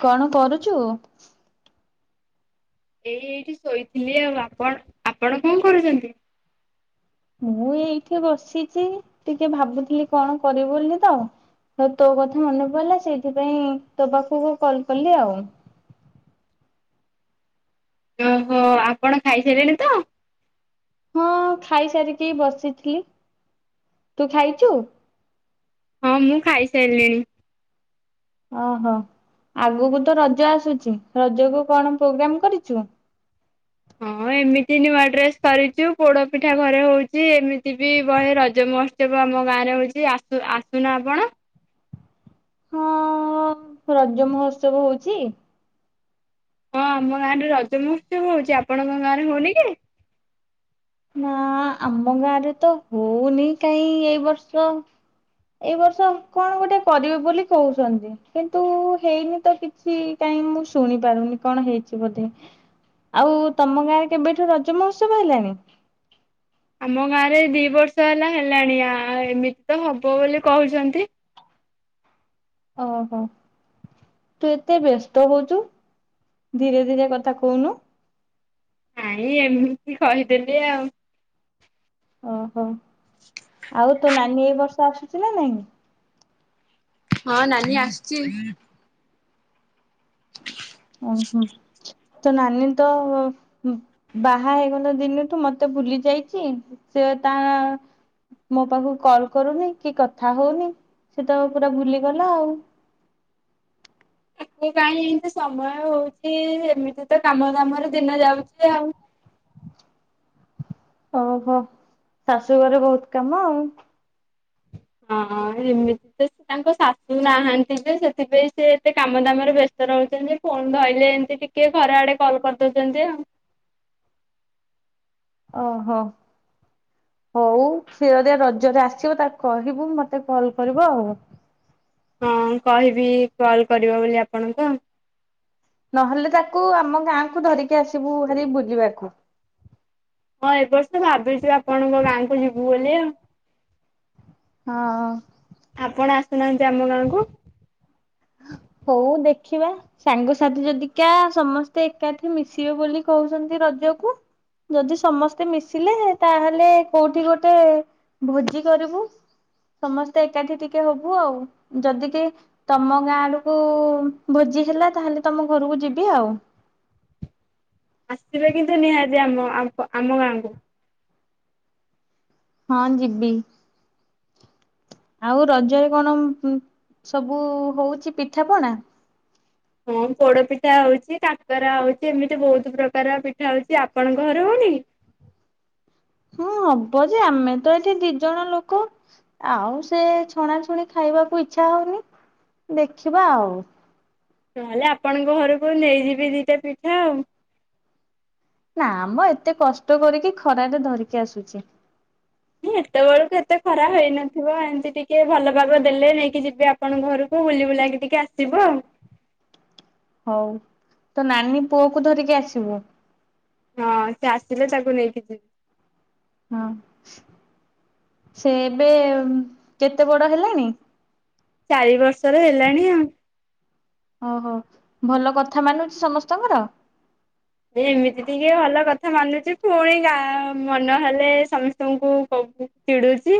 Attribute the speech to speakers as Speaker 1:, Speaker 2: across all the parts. Speaker 1: କଣ କରୁଛୁ?
Speaker 2: ଏଇ ଏଇଠି ଶୋଇଥିଲି ଆଉ ଆପଣ ଆପଣ କଣ କରୁଛନ୍ତି?
Speaker 1: ମୁଁ ଏଇଠି ବସିଛି ଟିକେ ଭାବୁଥିଲି କଣ କରିବି ବୋଲି ତଉ ତୋ କଥା ମନେ ପଡିଲ ସେଇଥିପାଇଁ ତୋ ପାଖକୁ କଲ କଲି ଆଉ।
Speaker 2: ଓହୋ ଆପଣ ଖାଇସାରିଲେଣି ତ।
Speaker 1: ହଁ ଖାଇସାରିକି ବସିଥିଲି ତୁ ଖାଇଛୁ?
Speaker 2: ହଁ ମୁଁ ଖାଇସାରିଲିଣି।
Speaker 1: ଓହୋ ଆଗକୁ ତ ରଜ ଆସୁଛି ରଜକୁୁ କଣ ପ୍ରୋଗ୍ରାମ କରିଛୁ?
Speaker 2: ହଁ ଏମିତି ନୂଆ ଡ୍ରେସ କରିଛୁ ପୋଡ ପିଠା ଘରେ ହଉଛି ଏମିତି ବି ବହେ ରଜ ମହୋତ୍ସବ ଆମ ଗାଁରେ ହଉଛି ଆସ ଆସୁନ ଆପଣ।
Speaker 1: ହଁ ରଜ ମହୋତ୍ସବ ହଉଛି।
Speaker 2: ହଁ ଆମ ଗାଁରେ ରଜମହୋତ୍ସବ ହଉଛି ଆପଣଙ୍କ ଗାଁ ରେ ହଉନି କି?
Speaker 1: ନା ଆମ ଗାଁ ରେ ତ ହଉନି କାହିଁ ଏଇ ବର୍ଷ ଏଇ ବର୍ଷ କଣ ଗୋଟେ କରିବେ ବୋଲି କହୁଛନ୍ତି। କିନ୍ତୁ ହେଇନି ତ କିଛି କାହିଁ ମୁଁ ଶୁଣି ପାରୁନି କଣ ହେଇଛି ବୋଧେ ଆଉ ତମ ଗାଁରେ କେବେଠୁ ରଜ ମହୋତ୍ସବ ହେଲାଣି?
Speaker 2: ଆମ ଗାଁ ରେ ଦି ବର୍ଷ ହେଲା ହେଲାଣିଆ ଏମିତି ତ ହବ ବୋଲି କହୁଛନ୍ତି।
Speaker 1: ଓହୋ ତୁ ଏତେ ବ୍ୟସ୍ତ ହଉଛୁ। ଧୀରେ ଧୀରେ କଥା କହୁନୁ।
Speaker 2: ନାଇଁ ଏମିତି କହିଦେଲେ ଆଉ।
Speaker 1: ଓହୋ। ଆଉ ତୋ ନାନୀ ବର୍ଷା ଆସୁଛି ନା ନାଇଁ
Speaker 2: ହଁ ନାନୀ ଆସୁଛି।
Speaker 1: ଓହୋ ତୋ ନାନୀ ତ ବାହା ହେଇଗଲା ଦିନଠୁ ମତେ ଭୁଲି ଯାଇଛି ।ସେ ତା ମୋ ପାଖକୁ କଲ କରୁନି କି କଥା ହଉନି ସେ ତ ପୁରା ଭୁଲିଗଲା ଆଉ। [inaudible]
Speaker 2: ତାକୁ କାହିଁ ଏମିତି ସମୟ ହଉଛି ଏମିତି ତ କାମ ଦାମରେ ଦିନ ଯାଉଛି ଆଉ।
Speaker 1: ଓହୋ ଶାଶୁଘରେ ବହୁତ କାମ ଆଉ।
Speaker 2: ହଁ ଏମିତି ତ ସେ ତାଙ୍କ ଶାଶୁ ନାହାନ୍ତି ଯେ ସେଥିପାଇଁ ସେ ଏତେ କାମ ଦାମରେ ବ୍ୟସ୍ତ ରହୁଛନ୍ତି ଫୋନ ଧରିଲେ ଏମତି ଟିକେ ଘର ଆଡେ କଲ କରିଦଉଛନ୍ତି ଆଉ।
Speaker 1: ଓହୋ ହଉ ସେ ଯଦି ରଜରେ ଆସିବ ତାକୁ କହିବୁ ମତେ କଲ କରିବ ଆଉ।
Speaker 2: ହଁ କହିବି କଲ କରିବ ବୋଲି ଆପଣଙ୍କୁ
Speaker 1: ନହେଲେ ତାକୁ ଆମ ଗାଁ କୁ ଧରିକି ଆସିବୁ ଭାର ବୁଲିବାକୁ।
Speaker 2: ହଁ ଏବେ ସେ ଭାବିଛି ଆପଣଙ୍କ ଗାଁକୁ ଯିବୁ ବୋଲି ଆଉ।
Speaker 1: ହଁ।
Speaker 2: ଆଶୁନାହାନ୍ତି ଆମ ଗାଁକୁ
Speaker 1: ହଉ ଦେଖିବା ସାଙ୍ଗସାଥି ଯଦି କା ସମସ୍ତେ ଏକାଠି ମିଶିବେ ବୋଲି କହୁଛନ୍ତି ରଜକୁ ।ଯଦି ସମସ୍ତେ ମିଶିଲେ ତାହେଲେ କୋଉଠି ଗୋଟେ ଭୋଜି କରିବୁ। ସମସ୍ତେ ଏକାଠି ଟିକେ ହବୁ ଆଉ ଯଦି କିଏ ତମ ଗାଁ ଆଡକୁ ଭୋଜି ହେଲା ତାହେଲେ ତମ ଘରକୁ ଯିବି ଆଉ।
Speaker 2: ଆସିବେ କିନ୍ତୁ ନିହାତି ଆମ ଆମ ଗାଁକୁ
Speaker 1: ହଁ ଜିବି। ଆଉ ରଜରେ କଣ ସବୁ ହଉଛି ପିଠାପଣା
Speaker 2: ହଁ ପୋଡ ପିଠା ହଉଛି କାକରା ହଉଛି ଏମିତି ବହୁତ ପ୍ରକାର ପିଠା ହଉଛି ଆପଣଙ୍କ ଘରେ ହଉନି?
Speaker 1: ହଁ ହବ ଯେ ଆମେ ତ ଏଠି ଦି ଜଣ ଲୋକ ଆଉ ସେ ଛଣାଛୁଣି ଖାଇବାକୁ ଇଛା ହଉନି ଦେଖିବା ଆଉ।
Speaker 2: ନହେଲେ ଆପଣଙ୍କ ଘରକୁ ନେଇଯିବି ଦିଟା ପିଠା ଆଉ।
Speaker 1: ନା ମ ଏତେ କଷ୍ଟ କରିକି ଖରାରେ ଧରିକି ଆସୁଛି।
Speaker 2: ଏତେବେଳକୁ ଏତେ ଖରା ହେଇନଥିବ ଏମିତି ଟିକେ ଟିକେ ଭଲ ପାଗ ଦେଲେ ନେଇକି ଯିବି ଆପଣଙ୍କ ଘରକୁ ବୁଲି ବୁଲାକି ଟିକେ ଆସିବୁ ଆଉ
Speaker 1: ହଉ ତୋ ନାନୀ ପୁଅ କୁ ଧରିକି ଆସିବୁ।
Speaker 2: ହଁ ସେ ଆସିଲେ ତାକୁ ନେଇକି ଯିବି।
Speaker 1: ହଁ ସେ ଏବେ କେତେ ବଡ ହେଲାଣି?
Speaker 2: ଚାରି ବର୍ଷର ହେଲାଣି ଆଉ
Speaker 1: ଓହୋ ଭଲ କଥା ମାନୁଛି ସମସ୍ତଙ୍କର।
Speaker 2: ଏମିତି ଟିକେ ଭଲ କଥା ମାନୁଛି ପୁଣି ଗାଁ ମନହେଲେ ସମସ୍ତଙ୍କୁ କ ଚିଡୁଛି।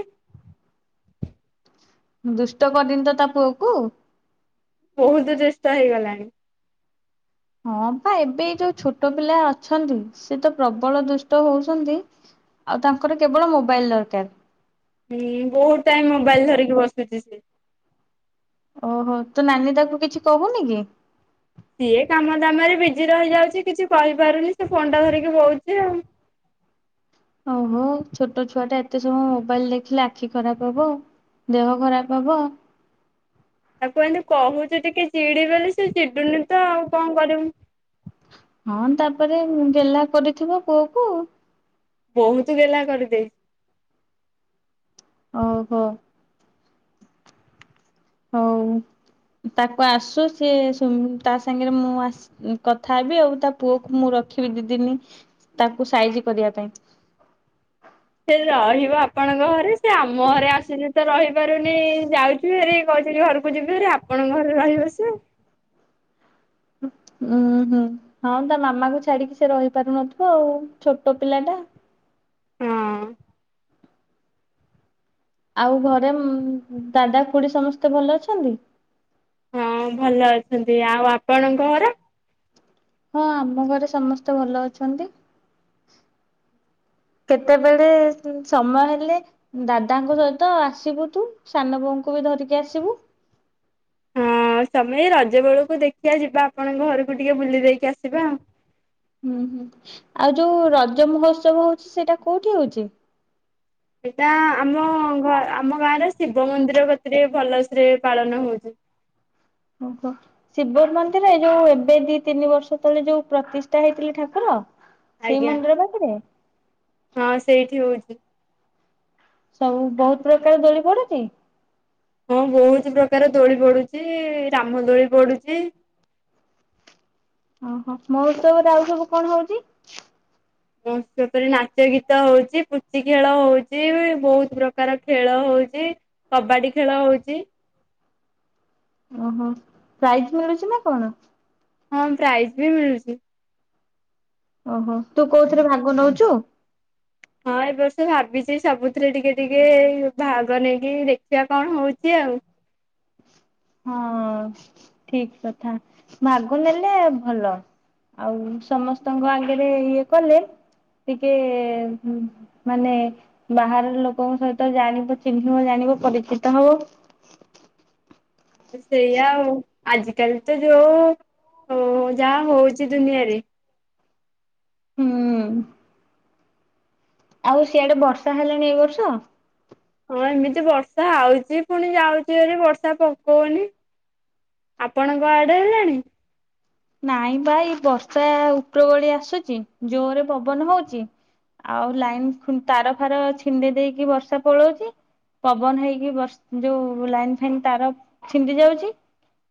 Speaker 1: ଦୁଷ୍ଟ କରିନି ତ ତା ପୁଅକୁ?
Speaker 2: ବହୁତ ଦୁଷ୍ଟ ହେଇଗଲାଣି।
Speaker 1: ହଁ ପା ଏବେ ଯୋଉ ଛୋଟ ପିଲା ଅଛନ୍ତି ସେ ତ ପ୍ରବଳ ଦୁଷ୍ଟ ହଉଛନ୍ତି ଆଉ ତାଙ୍କର କେବଳ ମୋବାଇଲ ଦରକାର।
Speaker 2: ହୁଁ ବହୁତ ଟାଇମ ମୋବାଇଲ ଧରିକି ବସ [inaudible]
Speaker 1: ଓହୋ ତୋ ନାନୀ ତାକୁ କିଛି କହୁନି କି
Speaker 2: ସିଏ କାମ ଦାମ ରେ ବିଜି ରହିଯାଉଛି କିଛି କହିପାରୁନି ସେ ଫୋନ ଟା ଧରିକି ଖାଲି ବଉଛି ଆଉ। [inaudible]
Speaker 1: ଓହୋ ଛୋଟ ଛୁଆ ଟା ଏତେ ସମୟ ମୋବାଇଲ ଦେଖିଲେ ଆଖି ଖରାପ ହବ ଦେହ ଖରାପ ହବ।
Speaker 2: ଆଉ ଏମିତି କହୁଛୁ ଟିକେ ଚିଡି ବୋଲି ସେ ଚିଡୁନି ତ ଆଉ କଣ କରିବୁ?
Speaker 1: ହଁ ତା ପରେ ଗେହ୍ଲା କରିଥିବ ପୁଅ କୁ
Speaker 2: ବହୁତ ଗହ୍ଲା କରିଦେଇ [inaudible]
Speaker 1: ଓହୋ। ହଉ ତାକୁ ଆସୁ ସିଏ ତା ସାଙ୍ଗରେ ମୁଁ କଥା ହେବି ଆଉ ତା ପୁଅକୁ ମୁଁ ରଖିବି ଦିଦିନି ତାକୁ ସାଇଜି କରିବା ପାଇଁ।
Speaker 2: ସେ ରହିବ ଆପଣଙ୍କ ଘରେ ସେ ଆମ ଘରେ ଆସୁଛି ତ ରହିପାରୁନି ଯାଉଛିୁ ହେରେ କହୁଥିଲ ଘରକୁ ଯିବୁ ହେରେ ଆପଣଙ୍କ ଘରେ ରହିବ ସେ।
Speaker 1: ଉଁ ହୁଁ ହଁ ତା ମାମା କ ଛାଡିକି ସେ ରହି ପାରୁନଥିବ ଆଉ ଛୋଟ ପିଲା ଟା।
Speaker 2: ହଁ
Speaker 1: ଆଉ ଘରେ ଦାଦା ଖୁଡି ସମସ୍ତେ ଭଲ ଅଛନ୍ତି।
Speaker 2: ହଁ ଭଲ ଅଛନ୍ତି ଆଉ ଆପଣଙ୍କ ଘର
Speaker 1: ହଁ ଆମ ଘରେ ସମସ୍ତେ ଭଲ ଅଛନ୍ତି କେତେବେଳେ ସମୟ ହେଲେ ଦାଦାଙ୍କ ସହିତ ଆସିବୁ ତୁ ସାନ ବୋଉଙ୍କୁ ବି ଧରିକି ଆସିବୁ।
Speaker 2: ହଁ ସମେ ରଜ ବେଳକୁ ଦେଖିବା ଯିବା ଆପଣଙ୍କ ଘରକୁ ଟିକେ ବୁଲି ଦେଇକି ଆସିବା ଆଉ।
Speaker 1: ହୁଁ ହୁଁ ଆଉ ଯୋଉ ରଜ ମହୋତ୍ସବ ହଉଛି ସେଇଟା କୋଉଠି ହୋଉଛି।
Speaker 2: ଏଇଟା ଆମ ଘ ଆମ ଗାଁରେ ଶିବ ମନ୍ଦିର କେତିରେ ଭଲସରେ ପାଳନ ହଉଛି।
Speaker 1: ଓହ ଶିବ ମନ୍ଦିର ଏ ଯୋଉ ଏବେ ଦି ତିନି ବର୍ଷ ତଳେ ଯୋଉ ପ୍ରତିଷ୍ଠା ହେଇଥିଲେ ଠାକୁର। ସେଇ
Speaker 2: ଆଜ୍ଞା
Speaker 1: ମନ୍ଦିର ପାଖରେ
Speaker 2: ହଁ ସେଇଠି ହଉଛି। [inaudible]
Speaker 1: ସବୁ ବହୁତ ପ୍ରକାର ଦୋଳି ପଡୁଛି।
Speaker 2: ହଁ ବହୁତ ପ୍ରକାର ଦୋଳି ପଡୁଛି ରାମ ଦୋଳି ପଡୁଛି।
Speaker 1: ଓହୋ ମୋତ୍ସବରେ ଆଉ ସବୁ କଣ ହଉଛି।
Speaker 2: ମହସବ ଉପରେ ନାଚ ଗୀତ ହଉଚ ପୁଚି ଖେଳ ହଉଛି ବହୁତ ପ୍ରକାର ଖେଳ ହଉଛି କବାଡି ଖେଳ ହଉଛି।
Speaker 1: ଓହୋ ପ୍ରାଇଜ ମିଳୁଛି ନା କଣ
Speaker 2: ହଁ ପ୍ରାଇଜ ବି ମିଳୁଛି।
Speaker 1: ଓହୋ ତୁ କୋଉଥିରେ ଭାଗ ନଉଛୁ।
Speaker 2: ହଁ ଏ ବର୍ଷ ଭାବିଛି ସବୁଥିରେ ଟିକେ ଟିକେ ଭାଗ ନେଇକି ଦେଖିବା କଣ ହଉଛି ଆଉ।
Speaker 1: ହଁ ଠିକ କଥା ଭାଗ ନେଲେ ଭଲ ଆଉ ସମସ୍ତଙ୍କ ଆଗରେ ଇଏ କଲେ ଟିକେ ମାନେ ବାହାର ଲୋକଙ୍କ ସହିତ ଜାଣିବ ଚିହ୍ନିବ ଜାଣିବ ପରିଚିତ ହବ।
Speaker 2: ଆ ସେଇ ଆଉ ଆଜିକାଲି ତ ଯୋଉ-ଉ-ଉ-ଉ ଯାହା ହଉଛି ଦୁନିଆରେ।
Speaker 1: ହୁଁ। ଆଉ ସିଆଡେ ବର୍ଷା ହେଲାଣି ଏଇ ବର୍ଷ।
Speaker 2: ହଁ ଏମିତି ବର୍ଷା ଆଉଛି ପୁଣି ଯାଉଛି ଏ ବର୍ଷା ପକଉନି ଆପଣଙ୍କ ଆଡେ ହେଲାଣି।
Speaker 1: ନାଇଁ ପା ଏ ବର୍ଷା ଉପର ବୋଳି ଆସୁଛି ଜୋରରେ ପବନ ହଉଛି ଆଉ ଲାଇନ ଖୁ ତାର ଫାର ଛିଣ୍ଡେଇ ଦେଇକି ବର୍ଷା ପଳଉଛି ପବନ ହେଇକି ବର୍ଷ ଯୋଉ ଲାଇନ୍ ଫାଇନ୍ ତାର ଛିଣ୍ଡି ଯାଉଛି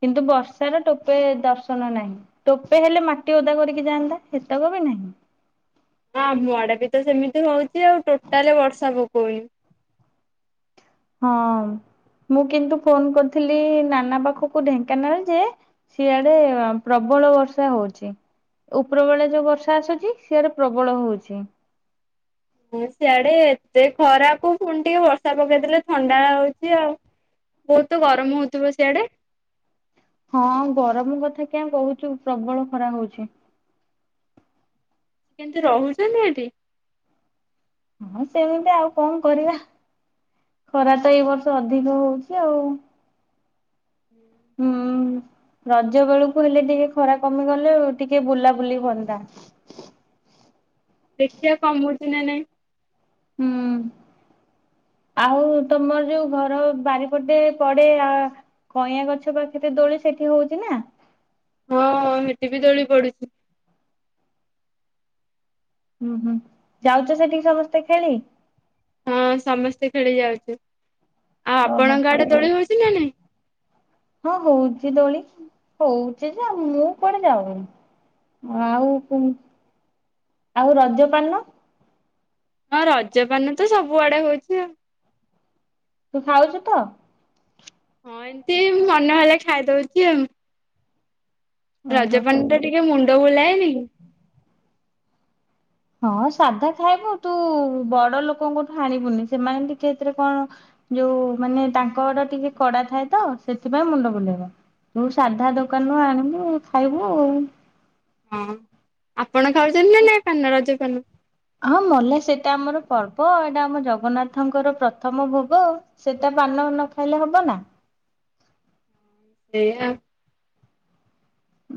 Speaker 1: କିନ୍ତୁ ବର୍ଷାର ଟୋପେ-ଏ-ଏ ଦର୍ଶନ ନାହିଁ। ଟୋପେ ହେଲେ ମାଟି ଓଦା କରିକି ଯାଆନ୍ତା ସେତକ ବି ନାହିଁ।
Speaker 2: ହଁ ଆଡେ ବି ତ ସେମିତି ହଉଛି ଆଉ ଟୋଟାଲ ବର୍ଷା ପକଉନି।
Speaker 1: ହଁ ମୁଁ କିନ୍ତୁ ଫୋନ କରିଥିଲି ନାନା ପାଖକୁ ଢେଙ୍କାନାଳ ଯେ ସିଆଡେ ପ୍ରବଳ ବର୍ଷା ହଉଛି ଉପର ବେଳେ ଯୋଉ ବର୍ଷା ଆସୁଛି ସିଆଡେ ପ୍ରବଳ ହଉଛି।
Speaker 2: ସିଆଡେ ଏତେ ଖରା କୁ ପୁଣି ଟିକେ ବର୍ଷା ପକେଇଦେଲେ ଥଣ୍ଡା ହଉଛି ଆଉ ବହୁତ ଗରମ ହଉଥିବ ସିଆଡେ।
Speaker 1: ହଁ ଗରମ କଥା କେଁ କହୁଛୁ ପ୍ରବଳ ଖରା ହଉଛି।
Speaker 2: ସେ କେମିତି ରହୁଛନ୍ତି ଏଠି।
Speaker 1: ହଁ ସେମିତି ଆଉ କଣ କରିବା ଖରା ତ ଏଇ ବର୍ଷ ଅଧିକ ହଉଛି ଆଉ।
Speaker 2: [unintelligible]
Speaker 1: ହୁଁ ରଜ ବେଳକୁ ହେଲେ ଟିକେ ଖରା କମିଗଲେ ଟିକେ ବୁଲାବୁଲି ହୁଅନ୍ତା।
Speaker 2: ଦେଖିବା କ ମୁଁ। ଛି ନା ନାଇ।
Speaker 1: ହୁଁ ଆଉ ତମର ଯୋଉ ଘର ବାରିପଟେ ପଡେ ଆ କଇଁଆ ଗଛ ପାଖରେ ଦୋଳି ସେଠି ହଉଛି ନା।
Speaker 2: ହଁ ମିଟି ବି ଦୋଳି ପଡୁଛି।
Speaker 1: ହୁଁ ହୁଁ ଯାଉଛ ସେଠିକି ସମସ୍ତେ ଖେଳି।
Speaker 2: ହଁ ସମସ୍ତେ ଖେଳି ଯାଉଛୁ। ଆଉ
Speaker 1: ଓହୋ
Speaker 2: ଆପଣଙ୍କ ଆଡେ ଦୋଳି ହଉଛି ନା ନାଇଁ।
Speaker 1: ହଁ ହଉଛି ଦୋଳି ହଉଛି ଯେ ମୁଁ କୁଆଡେ ଯାଉନି ଆଉ ଆଉ ରଜ ପାନ।
Speaker 2: ହଁ ରଜପାନ ତ ସବୁଆଡେ ହଉଛି ଆଉ।
Speaker 1: ତୁ ଖାଉଛୁ ତ।
Speaker 2: ହଁ ଏମତି ମନ ହେଲେ ଖାଇଦଉଛି ଆଉ।
Speaker 1: ଓହୋ।
Speaker 2: ରଜପାନ ଟା ଟିକେ ମୁଣ୍ଡ ବୁଲାଏନି।
Speaker 1: ହଁ ସାଧା ଖାଇବୁ ତୁ ବଡ ଲୋକଙ୍କଠୁ ଆଣିବୁନି ସେମାନେ ଟିକେ ଏଥିରେ କଣ ଯୋଉ ମାନେ ତାଙ୍କ ଆଡ ଟିକେ କଡା ଥାଏ ତ ସେଥିପାଇଁ ମୁଣ୍ଡ ବୁଲେଇବ। ତୁ ସାଧା ଦୋକାନରୁୁ ଆଣିବୁ। ଖାଇବୁ।
Speaker 2: ହଁ ଆପଣ ଖାଉଛନ୍ତି ନା ନାଇ ପାନ ରଜ ପାନ।
Speaker 1: ହଁ ମଲା ସେଟା ଆମର ପର୍ବ ଏଇଟା ଆମ ଜଗନ୍ନାଥଙ୍କର ପ୍ରଥମ ଭୋଗ ସେଟା ପାନ ନ ଖାଇଲେ ହବ ନା।
Speaker 2: ସେୟା।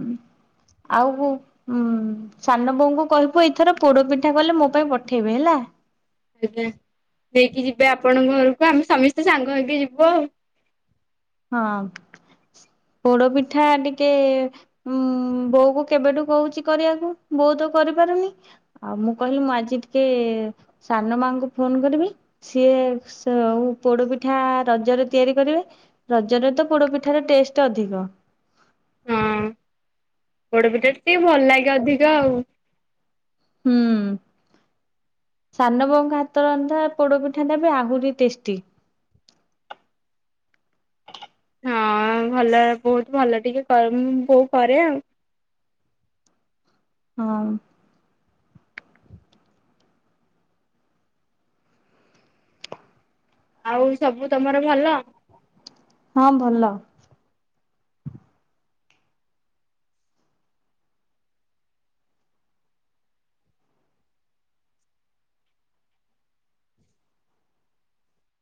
Speaker 1: ହ ଆଉ ଉମ ସାନ ବୋଉଙ୍କୁ କହିବୁ ଏଇଥର ପୋଡ ପିଠା କଲେ ମୋ ପାଇଁ ପଠେଇବେ ହେଲା।
Speaker 2: ଆଜ୍ଞା ନେଇକି ଯିବେ ଆପଣଙ୍କ ଆମେ ସମସ୍ତେ ସାଙ୍ଗ ହେଇକି ଯିବୁ ଆଉ।
Speaker 1: ହଁ ପୋଡପିଠା ଟିକେ-ଏ-ଏ ଉ ବୋଉ କୁ କେବେଠୁ କହୁଛି କରିବାକୁ ବୋଉ ତ କରିପାରୁନି ଆଉ ମୁଁ କହିଲି ମୁଁ ଆଜି ଟିକେ-ଏ-ଏ ସାନ ମାଙ୍କୁ ଫୋନ କରିବି ସିଏ ସେ ପୋଡପିଠା ରଜରେ ତିଆରି କରିବେ। ରଜରେ ତ ପୋଡ଼ ପିଠା ର ଟେଷ୍ଟ ଅଧିକ।
Speaker 2: ପୋଡ଼ପିଠା। ଟିକେ ଭଲ ଲାଗେ ଅଧିକା ଆଉ।
Speaker 1: ହୁଁ ସାନ ବୋଉଙ୍କ ହାତରନ୍ଧା ପୋଡପିଠା ଟା ବି ଆହୁରି ଟେଷ୍ଟି।
Speaker 2: ହଁ ଭଲ ବହୁତ ଭଲ ଟିକେ ମୁଁ ବୋଉ କରେ ଆଉ।
Speaker 1: ହୁଁ।
Speaker 2: ଆଉ ସବୁ ତମର ଭଲ।
Speaker 1: ହଁ ଭଲ। [inaudible]